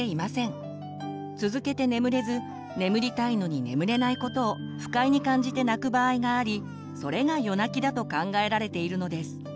続けて眠れず眠りたいのに眠れないことを不快に感じて泣く場合がありそれが夜泣きだと考えられているのです。